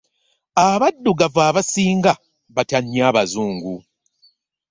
Abaddugavu abasinga batya nnyo abazungu.